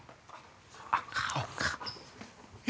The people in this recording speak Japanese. あっ顔か。